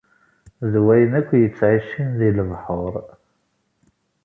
D wayen akk yettɛicin di lebḥur.